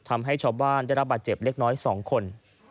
ทำให้ชาวบ้านได้รับบาดเจ็บเล็กน้อย๒คน